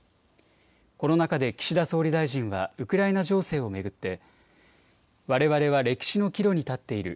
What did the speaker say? この中で岸田総理大臣はウクライナ情勢を巡ってわれわれは歴史の岐路に立っている。